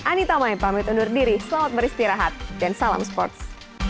anitamae pamit undur diri selamat beristirahat dan salam sports